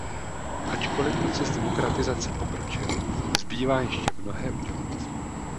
Ačkoli proces demokratizace pokročil, zbývá ještě mnohé udělat.